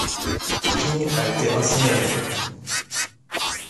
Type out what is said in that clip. King a été incinérée.